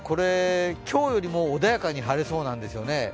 今日よりも穏やかに晴れそうなんですよね。